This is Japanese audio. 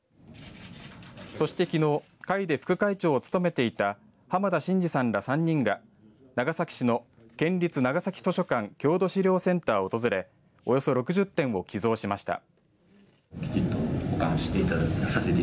そして、きのう会で副会長を務めていたはま田眞治さんら３人が長崎市の県立長崎図書館郷土資料センターを訪れおよそ６０点を寄贈しました。